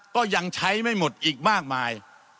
ก็ยังใช้ไม่หมดอีกมากมาย